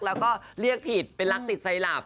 แล้วก็เรียกผิดเป็นรักติดใจหลับ